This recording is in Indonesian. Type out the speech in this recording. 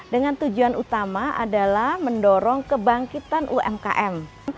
dengan tujuan utama adalah mendorong kebangkitan umkm